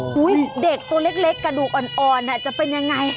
โอ้โหอุ้ยเด็กตัวเล็กเล็กกระดูกอ่อนอ่อนน่ะจะเป็นยังไง